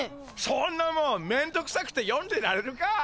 そんなもんめんどくさくて読んでられるか。